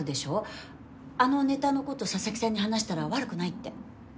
あのネタの事佐々木さんに話したら悪くないって。